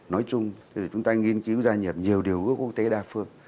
nói chung chúng ta nghiên cứu gia nhập nhiều điều gốc quốc tế đa phương